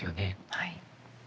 はい。